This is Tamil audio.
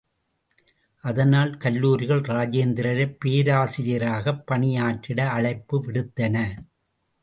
அதனால், கல்லூரிகள் ராஜேந்திரரைப் பேராசிரியராகப் பணியாற்றிட அழைப்பு விடுத்தன.